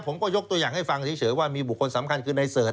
ผมก็ยกตัวอย่างให้ฟังเฉยว่ามีบุคคลสำคัญคือในเสิร์ช